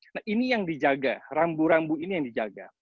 nah ini yang dijaga rambu rambu ini yang dijaga